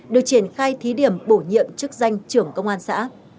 được triển khai thí điểm bổ nhiệm chức danh trưởng công an xã